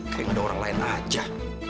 kayaknya ada orang lain aja